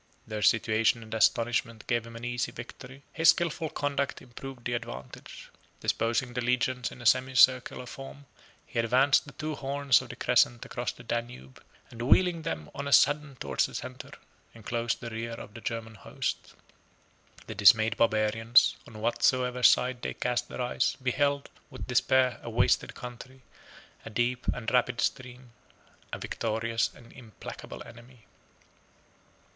Their situation and astonishment gave him an easy victory; his skilful conduct improved the advantage. Disposing the legions in a semicircular form, he advanced the two horns of the crescent across the Danube, and wheeling them on a sudden towards the centre, enclosed the rear of the German host. The dismayed barbarians, on whatsoever side they cast their eyes, beheld, with despair, a wasted country, a deep and rapid stream, a victorious and implacable enemy.